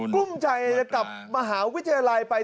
กลุ่มใจกับมหาวิทยาลัยไป